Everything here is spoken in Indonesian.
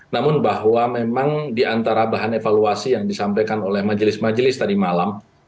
namun bahwa memang di antara bahan evaluasi yang disampaikan oleh majelis majelis tadi malam